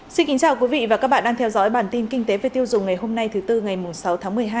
xin kính chào quý vị và các bạn đang theo dõi bản tin kinh tế về tiêu dùng ngày hôm nay thứ tư ngày sáu tháng một mươi hai